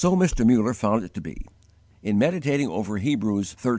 13. So Mr. Muller found it to be. In meditating over Hebrews xiii.